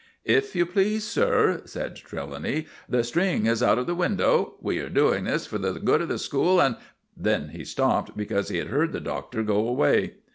"If you please, sir," said Trelawny, "the string is out of the window. We are doing this for the good of the school, and " Then he stopped, because he had heard the Doctor go away.